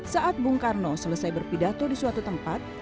saat bung karno selesai berpidato di suatu tempat